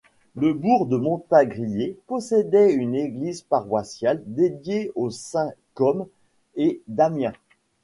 Le bourg de Montagrier possédait une église paroissiale dédiée aux saints Côme et Damien.